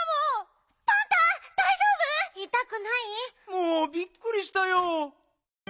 もうびっくりしたよ。